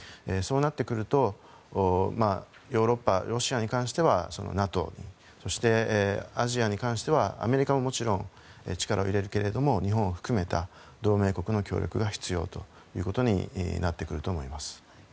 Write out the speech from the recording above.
そうなってくるとヨーロッパ、ロシアに関してはＮＡＴＯアジアに関してはアメリカももちろん力を入れるけれども日本も含めた同盟国の協力が必要ということになってくると思います。